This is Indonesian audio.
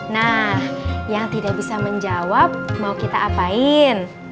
nah yang tidak bisa menjawab mau kita apain